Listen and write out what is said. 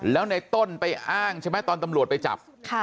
แล้วในต้นไปอ้างใช่ไหมตอนตำรวจไปจับ